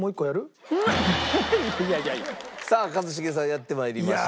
さあ一茂さんやってまいりました。